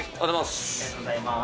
ありがとうございます。